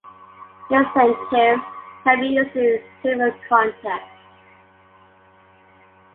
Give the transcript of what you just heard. Incentives can be used in several contexts.